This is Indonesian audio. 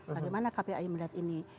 bagaimana kpai melihat ini